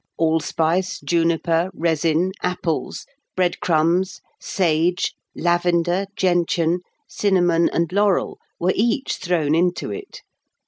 Allspice, juniper, resin, apples, bread crumbs, sage, lavender, gentian, cinnamon, and laurel were each thrown into it.